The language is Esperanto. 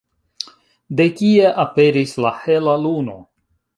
De kie aperis la hela luno?